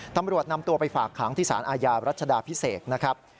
ตำรวจนำตัวไปฝากขังที่สารอาญารัชดาพิเศษนะครับ